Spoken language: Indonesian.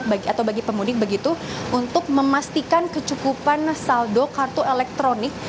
atau bagi pemudik begitu untuk memastikan kecukupan saldo kartu elektronik